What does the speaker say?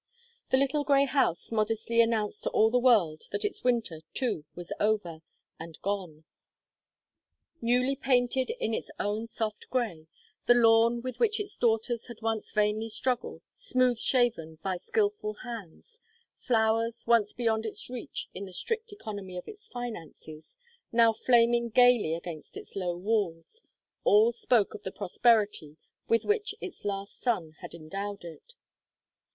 The little grey house modestly announced to all the world that its winter, too, was over and gone. Newly painted in its own soft grey, the lawn with which its daughters had once vainly struggled, smooth shaven by skilful hands, flowers, once beyond its reach in the strict economy of its finances, now flaming gayly against its low walls, all spoke of the prosperity with which its last son had endowed it.